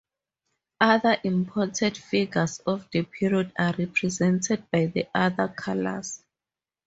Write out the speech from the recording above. Other important figures of the period are represented by the other colors.